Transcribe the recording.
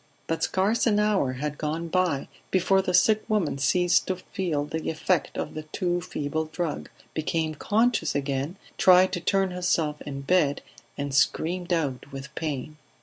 But scarce an hour had gone by before the sick woman ceased to feel the effect of the too feeble drug, became conscious again, tried to turn herself in bed and screamed out with pain.